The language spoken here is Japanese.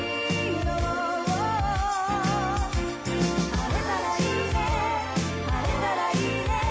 「晴れたらいいね晴れたらいいね」